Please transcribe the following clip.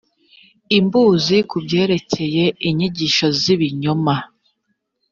imbuzi ku byerekeye inyigisho z ibinyoma